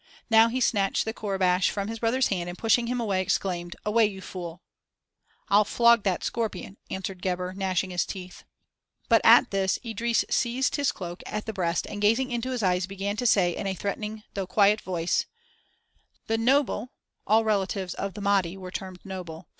Now he snatched the courbash from his brother's hand and, pushing him away, exclaimed: "Away, you fool!" "I'll flog that scorpion!" answered Gebhr, gnashing his teeth. But at this, Idris seized his cloak at the breast and gazing into his eyes began to say in a threatening though quiet voice: "The noble* [* All relatives of the Mahdi were termed "noble."